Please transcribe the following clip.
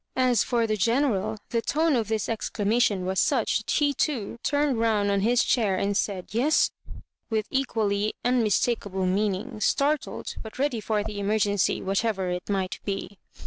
As for the GenersJ, the tone" of this exclamation .waa such that he too turned round on his chair, and said, ''Yes?" with equally unmistakable meaning, startled, but ready for the emergency, whatever it might be.